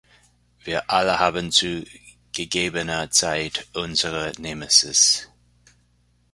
Wir alle haben zu gegebener Zeit unsere Nemesis.